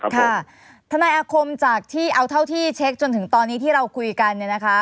ค่ะทนายอาคมจากที่เอาเท่าที่เช็คจนถึงตอนนี้ที่เราคุยกันเนี่ยนะคะ